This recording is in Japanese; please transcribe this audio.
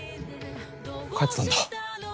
帰ってたんだ。